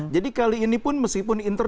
jadi kali ini pun meskipun inter